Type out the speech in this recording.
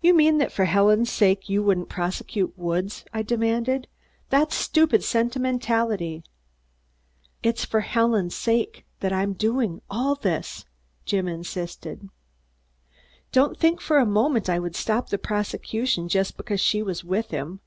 "You mean that for Helen's sake you wouldn't prosecute Woods?" I demanded. "That's stupid sentimentality." "It's for Helen's sake that I'm doing all this," Jim insisted. "Don't think for a moment I would stop the prosecution just because she was with him.